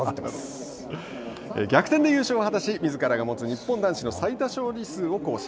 逆転で優勝を果たしみずからが持つ日本男子の最多勝利数を更新。